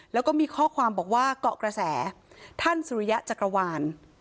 แล้วก็มีข้อความบอกว่าเกาะกระแสท่านสุริยะจักรวาล